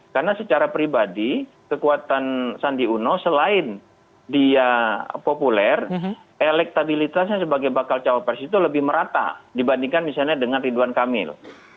karena secara pribadi kekuatan sandiaga uno selain dia populer elektabilitasnya sebagai bakal cowok persi itu lebih merata dibandingkan misalnya dengan ridwan kamil